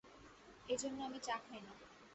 এইজন্য আমি চা খাই না।